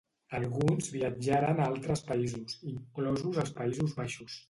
Alguns viatjaren a altres països, inclosos els Països Baixos.